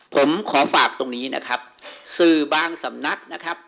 ผมขอฝากตรงนี้นะครับสื่อบางสำนักนะครับ